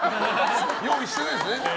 用意してないですね